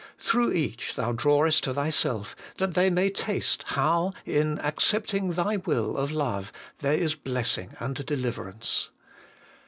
Through each Thou drawest to Thyself, that they may taste how, in accepting Thy Will of Love, there is blessing and deliverance.